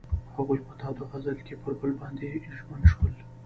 هغوی په تاوده غزل کې پر بل باندې ژمن شول.